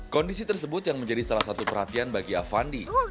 kondisi tersebut yang menjadi salah satu perhatian bagi avandi